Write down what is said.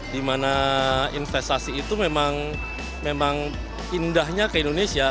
dimana investasi itu memang indahnya ke indonesia